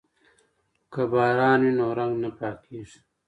که باران وي نو رنګ نه پاکیږي.